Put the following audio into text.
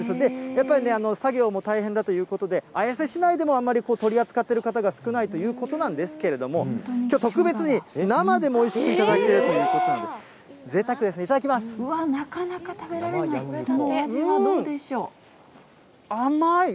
やっぱりね、作業も大変だということで、綾瀬市内でも、あんまり取り扱っている方が少ないということなんですけれども、きょう、特別に生でもおいしく頂けるということで、ぜいたくですね、なかなか食べられない、甘い。